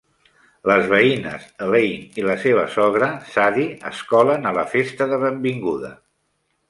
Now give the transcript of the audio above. Les veïnes Elaine i la seva sogra, Sadie, es colen a la festa de benvinguda.